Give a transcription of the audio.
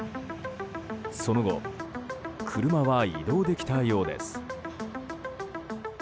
その後、車は移動できたようです。